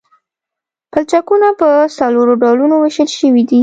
پلچکونه په څلورو ډولونو ویشل شوي دي